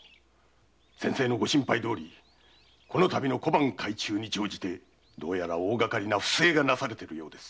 ご心配どおりこのたびの小判改鋳に乗じてどうやら大がかりな不正がなされているようです。